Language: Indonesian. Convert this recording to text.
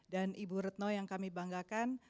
dan ibu retno yang kami banggakan